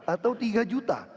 atau tiga juta